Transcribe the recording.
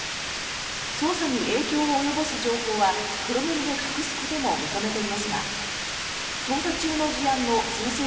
捜査に影響を及ぼす情報は黒塗りで隠すことも認めていますが捜査中の事案の宣誓